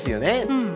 うん。